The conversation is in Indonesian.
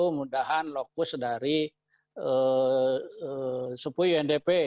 mudahan lokus dari supuyo ndp